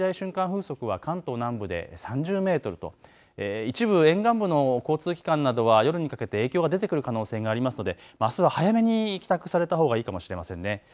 風速は関東南部で３０メートルと一部、沿岸部の交通機関などは夜にかけて影響が出てくる可能性がありますのであすは早めに帰宅されたほうがいいかもしれません。